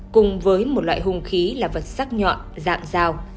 cùng với một loại hung khí là vật sắc nhọn dạng dao